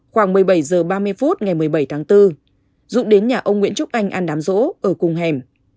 khoảng một mươi bảy h ba mươi phút ngày một mươi bảy tháng bốn dũng đến nhà ông nguyễn trúc anh ăn đám rỗ ở cùng hẻm